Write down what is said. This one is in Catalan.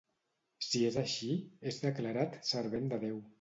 Si és així, és declarat Servent de Déu.